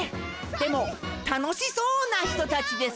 でもたのしそうな人たちですね！